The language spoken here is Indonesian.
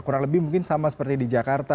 kurang lebih mungkin sama seperti di jakarta